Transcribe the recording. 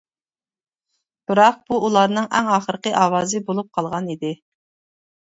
بىراق بۇ ئۇلارنىڭ ئەڭ ئاخىرقى ئاۋازى بولۇپ قالغان ئىدى.